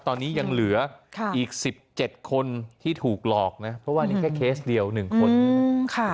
ตอนนี้ยังเหลืออีก๑๗คนที่ถูกหลอกนะเพราะว่านี่แค่เคสเดียว๑คน